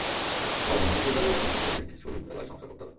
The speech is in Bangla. আবার বন্যায় বিদ্যালয় ভবনের ক্ষতি হলে কিছু বিদ্যালয় সংস্কার করতে হবে।